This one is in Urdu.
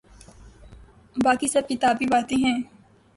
باقی سب کتابی باتیں ہیں۔